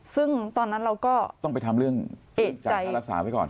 ซึ่งตอนนั้นเราก็ต้องไปทำเรื่องจ่ายค่ารักษาไว้ก่อน